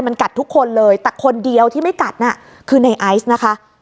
มันกัดทุกคนเลยแต่คนเดียวที่ไม่กัดน่ะคือในไอซ์นะคะ